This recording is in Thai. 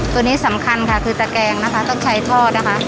ตัวนี้สำคัญค่ะคือตะแกงนะคะต้องใช้ทอดนะคะ